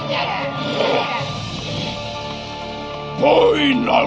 pergi ke kawasan